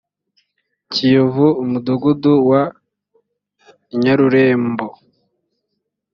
kiyovu umudugudu wa i nyarurembo